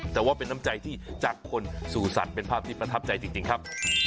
แต่ว่าเป็นน้ำใจที่จากคนสู่สัตว์เป็นภาพที่ประทับใจจริงครับ